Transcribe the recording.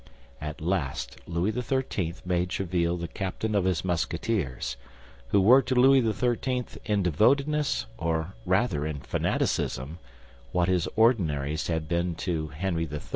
At last Louis XIII. made Tréville the captain of his Musketeers, who were to Louis XIII. in devotedness, or rather in fanaticism, what his Ordinaries had been to Henry III.